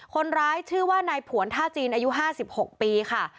คนร้ายชื่อว่านายผวนท่าจีนอายุ๕๖ปีค่ะ